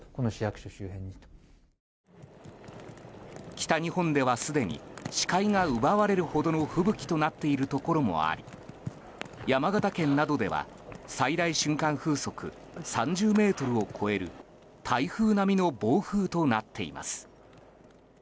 北日本ではすでに視界が奪われるほどの吹雪となっているところもあり山形県などでは、最大瞬間風速３０メートルを超える台風並みの暴風となっています。